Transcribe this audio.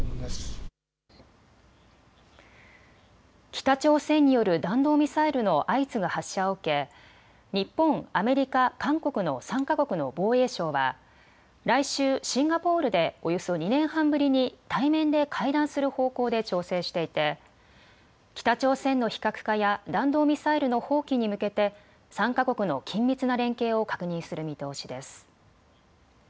北朝鮮による弾道ミサイルの相次ぐ発射を受け日本、アメリカ、韓国の３か国の防衛相は来週シンガポールでおよそ２年半ぶりに対面で会談する方向で調整していて北朝鮮の非核化や弾道ミサイルの放棄に向けて３か国の緊密な連携を確認する見通しです。